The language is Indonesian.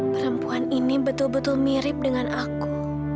perempuan ini betul betul mirip dengan aku